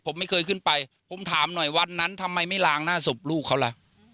ผมไม่เคยขึ้นไปผมถามหน่อยวันนั้นทำไมไม่ลางหน้าศพลูกเขาล่ะ